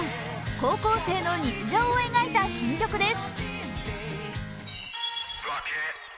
高校生の日常を描いた新曲です。